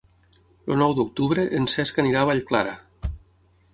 El nou d'octubre en Cesc anirà a Vallclara.